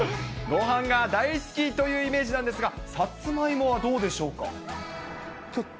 ごはんが大好きというイメージなんですが、さつまいもはどうでしょうか。